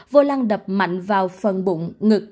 vô lăng đập mạnh vào phần bụng ngực